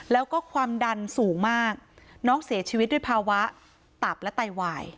แล้วก็ความดันสูงมากน้องเสียชีวิตด้วยภาวะตับและไตวาย